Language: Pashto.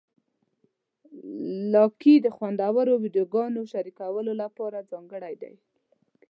لایکي د خوندورو ویډیوګانو شریکولو لپاره ځانګړی دی.